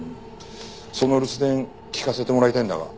その留守電聞かせてもらいたいんだが。